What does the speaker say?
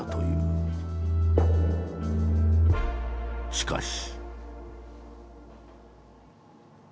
しかし。